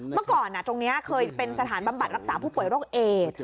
เมื่อก่อนตรงนี้เคยเป็นสถานบำบัดรักษาผู้ป่วยโรคเอด